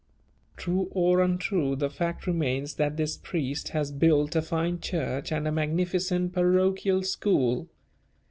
True or untrue, the fact remains that this priest has built a fine church and a magnificent parochial school.